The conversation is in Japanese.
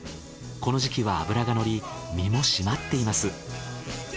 この時期は脂がのり身もしまっています。